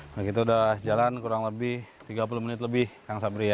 nah kita sudah jalan kurang lebih tiga puluh menit lebih kang sabri ya